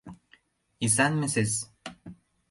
«Исан ме сыз?